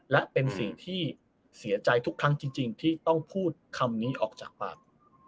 และเป็นสิ่งที่เสียใจทุกครั้งจริงที่ต้องพูดคำนี้ออกจากปาก